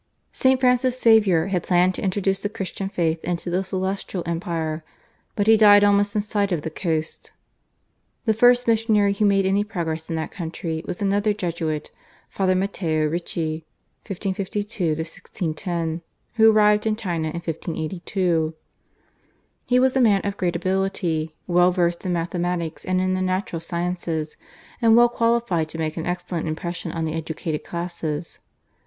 St. Francis Xavier had planned to introduce the Christian faith into the Celestial Empire, but he died almost in sight of the coast. The first missionary who made any progress in that country was another Jesuit, Father Matteo Ricci (1552 1610) who arrived in China in 1582. He was a man of great ability, well versed in mathematics and in the natural sciences, and well qualified to make an excellent impression on the educated classes.